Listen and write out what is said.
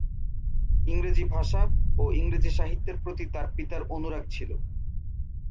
ইংরেজি ভাষা ও ইংরেজি সাহিত্যের প্রতি তার পিতার অনুরাগ ছিল।